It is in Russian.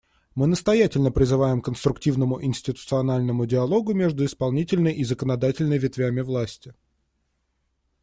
Мы настоятельно призываем к конструктивному институциональному диалогу между исполнительной и законодательной ветвями власти.